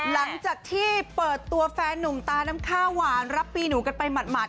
หลังจากที่เปิดตัวแฟนนุ่มตาน้ำข้าวหวานรับปีหนูกันไปหมาด